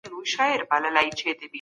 لوستې مور د کور د ککړتيا مخه نيسي.